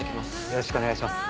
よろしくお願いします。